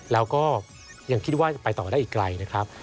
แล้วก็ยังคิดว่าจะไปต่อได้อีกไกลนะครับ